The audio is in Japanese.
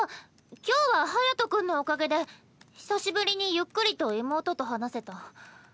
今日は隼君のおかげで久しぶりにゆっくりと妹と話せた。